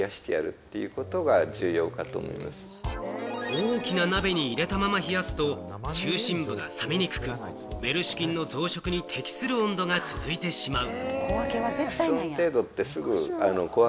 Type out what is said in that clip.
大きな鍋に入れたまま冷やすと中心部が冷めにくく、ウェルシュ菌の増殖に適する温度が続いてしまう。